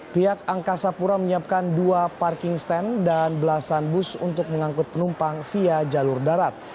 pihak angkasa pura menyiapkan dua parking stand dan belasan bus untuk mengangkut penumpang via jalur darat